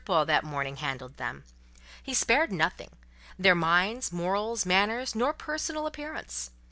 Paul that morning handled them: he spared nothing—neither their minds, morals, manners, nor personal appearance.